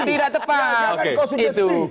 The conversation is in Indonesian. tidak tepat itu